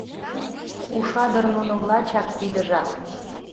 Уша дыр нуным лачак тидыжак.